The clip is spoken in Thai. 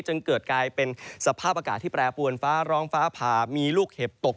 จึงเกิดกลายเป็นสภาพอากาศที่แปรปวนฟ้าร้องฟ้าผ่ามีลูกเห็บตก